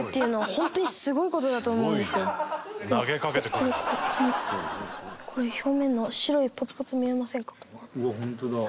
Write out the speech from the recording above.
このこれ表面の白いポツポツ見えませんか？